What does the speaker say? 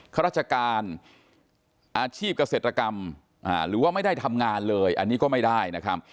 ข้าราชการอาชีพเกษตรกรรมหรือว่าไม่ได้ทำงานเลยอันนี้ก็ไม่ได้นะครับ